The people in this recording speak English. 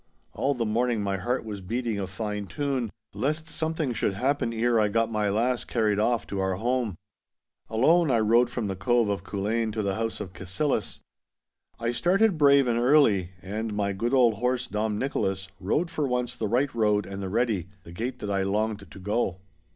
All the morning my heart was beating a fine tune, lest something should happen ere I got my lass carried off to our home. Alone I rode from the Cove of Culzean to the house of Cassillis. I started brave and early, and my good old horse, Dom Nicholas, rode for once the right road and the ready, the gate that I longed to go.